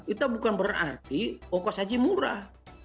itu bukan berarti okos haji murah